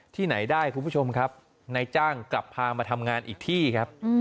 ที่ไหนได้คุณผู้ชมครับนายจ้างกลับพามาทำงานอีกที่ครับ